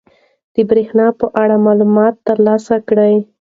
د بریښنا په اړه معلومات ترلاسه کړئ.